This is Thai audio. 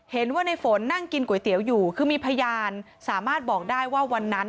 เห็นว่าในฝนนั่งกินก๋วยเตี๋ยวอยู่คือมีพยานสามารถบอกได้ว่าวันนั้น